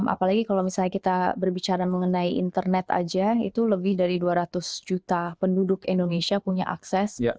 apalagi kalau misalnya kita berbicara mengenai internet aja itu lebih dari dua ratus juta penduduk indonesia punya akses